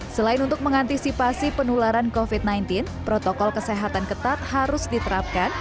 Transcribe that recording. selain untuk mengantisipasi penularan covid sembilan belas protokol kesehatan ketat harus diterapkan